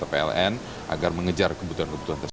pln agar mengejar kebutuhan kebutuhan tersebut